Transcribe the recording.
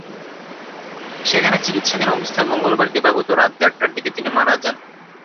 সেখানে চিকিৎসাধীন অবস্থায় মঙ্গলবার দিবাগত রাত দেড়টার দিকে তিনি মারা যান।